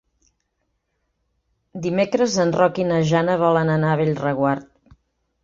Dimecres en Roc i na Jana volen anar a Bellreguard.